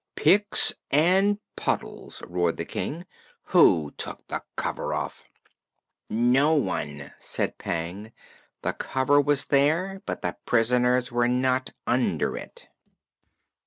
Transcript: "Picks and puddles!" roared the King; "who took the cover off?" "No one," said Pang. "The cover was there, but the prisoners were not under it."